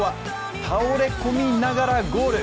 最後は倒れ込みながらゴール。